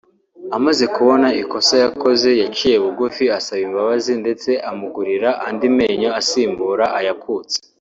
amaze kubona ikosa yakoze yaciye bugufi asaba imbabazi ndetse amugurira andi menyo asimbura ayakutse